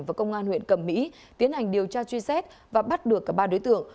và công an huyện cẩm mỹ tiến hành điều tra truy xét và bắt được cả ba đối tượng